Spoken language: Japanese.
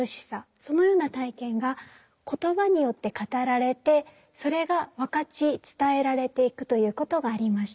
そのような体験が言葉によって語られてそれが分かち伝えられていくということがありました。